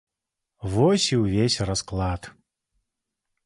Вось, і ўвесь расклад.